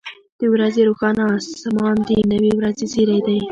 • د ورځې روښانه اسمان د نوې ورځې زیری دی.